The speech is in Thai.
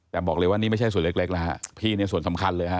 แต่บอกเลยว่านี่ไม่ใช่ส่วนเล็กแล้วฮะพี่เนี่ยส่วนสำคัญเลยฮะ